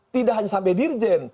tidak hanya sampai dirjen